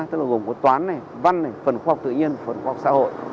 tức là gồm có toán này văn này phần khoa học tự nhiên phần khoa học xã hội